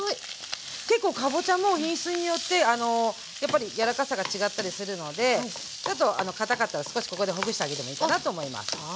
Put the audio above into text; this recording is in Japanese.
結構かぼちゃも品質によってやっぱりやわらかさが違ったりするのでちょっとかたかったら少しここでほぐしてあげてもいいかなと思います。